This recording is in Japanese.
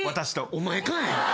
お前かい！